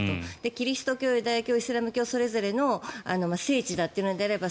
キリスト教、ユダヤ教イスラム教それぞれの聖地だというのであれば